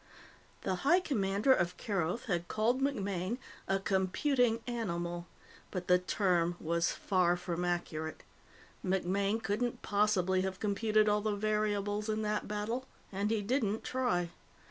The High Commander of Keroth had called MacMaine a "computing animal," but the term was far from accurate. MacMaine couldn't possibly have computed all the variables in that battle, and he didn't try.